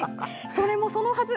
それもそのはず。